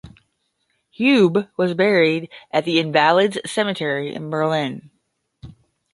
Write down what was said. Hube was buried at the Invalid's Cemetery in Berlin.